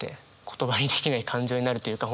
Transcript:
言葉にできない感情になるというか